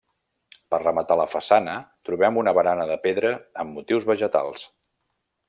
Per rematar la façana trobem una barana de pedra amb motius vegetals.